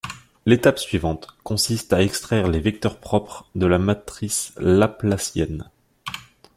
L'étape suivante consiste à extraire les vecteurs propres de la matrice Laplacienne.